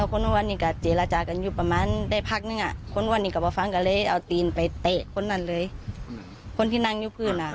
คนอ้วนนี่ก็ไปฟังกันเลยที่เอาตีนไปเตะคนที่นั่งอยู่พื้นอ่ะ